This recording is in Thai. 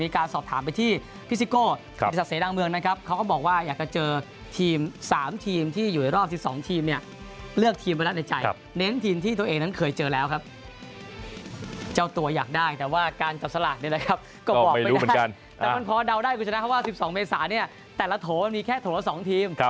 ของ๑๒เมตรสานนี้แต่ละโถมีแค่โถสองทีม